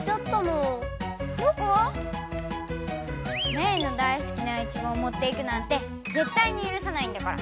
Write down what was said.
メイの大すきなイチゴをもっていくなんてぜったいにゆるさないんだから！